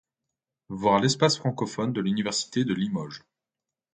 Voir l'espace francophone de l'université de Limoges.